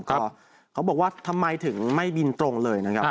ก็เขาบอกว่าทำไมถึงไม่บินตรงเลยนะครับ